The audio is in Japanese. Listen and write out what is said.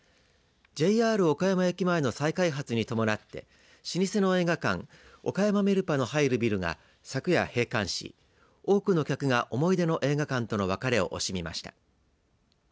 ＪＲ岡山駅前の再開発に伴って老舗の映画館岡山メルパの入るビルが昨夜、閉館し多くの客が思い出の映画館との別れを惜しみました。